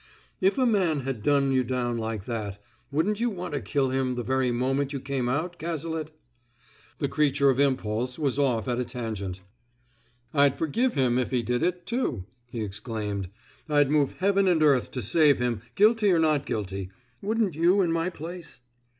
"If a man had done you down like that, wouldn't you want to kill him the very moment you came out, Cazalet?" The creature of impulse was off at a tangent. "I'd forgive him if he did it, too!" he exclaimed. "I'd move heaven and earth to save him, guilty or not guilty. Wouldn't you in my place?"